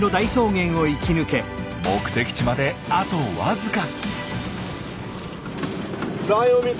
目的地まであとわずか。